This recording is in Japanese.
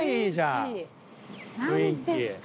何ですか？